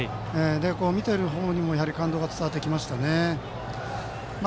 見ている方にも感動が伝わってきましたね。